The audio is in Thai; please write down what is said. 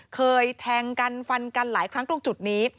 เคยแทงกันฟันกันหลายครั้งตรงจุดนี้